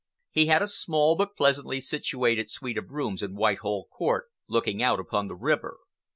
He had a small but pleasantly situated suite of rooms in Whitehall Court, looking out upon the river.